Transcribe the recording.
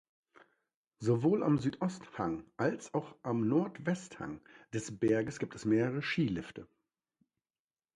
Sowohl am Südosthang als auch am Nordwesthang des Berges gibt es mehrere Skilifte.